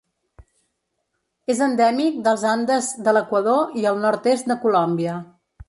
És endèmic dels Andes de l'Equador i el nord-est de Colòmbia.